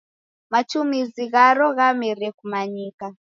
Matumizi gharo ghamerie kumanyika.